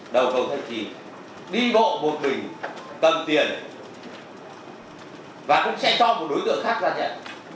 đầu cầu thách trì đi bộ một mình cầm tiền và cũng sẽ cho một đối tượng khác ra nhận